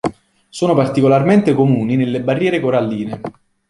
Sono particolarmente comuni nelle barriere coralline.